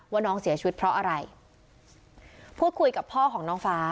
ว่าน้องเสียชีวิตเพราะอะไรพูดคุยกับพ่อของน้องฟ้า